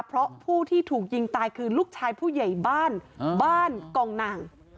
เพราะผู้ที่ถูกยิงตายคือลูกชายผู้ใหญ่บ้านบ้านกองนาง